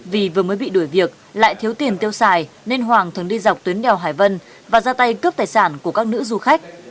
vì vừa mới bị đuổi việc lại thiếu tiền tiêu xài nên hoàng thường đi dọc tuyến đèo hải vân và ra tay cướp tài sản của các nữ du khách